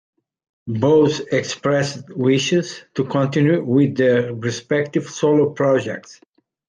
Both expressed wishes to continue with their respective solo projects.